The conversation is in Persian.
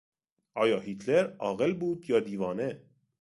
آیا هیتلر عاقل بود یا دیوانه؟